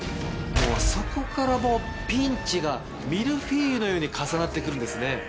そこからもうピンチがミルフィーユのように重なって来るんですね。